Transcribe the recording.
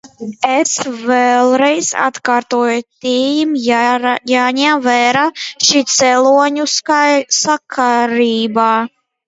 Es vēlreiz atkārtoju: te ir jāņem vērā šī cēloņu sakarība.